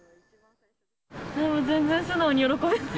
もう全然素直に喜べない。